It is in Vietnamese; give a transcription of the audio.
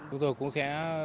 chúng tôi cũng sẽ